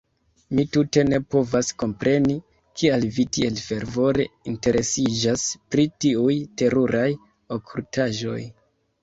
Mi tute ne povas kompreni, kial vi tiel fervore interesiĝas pri tiuj teruraj okultaĵoj.